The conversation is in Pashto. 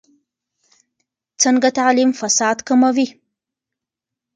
څنګه تعلیم فساد کموي؟